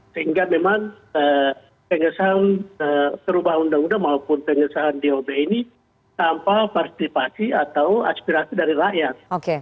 sehingga memang pengesahan perubahan undang undang maupun pengesahan dob ini tanpa partisipasi atau aspirasi dari rakyat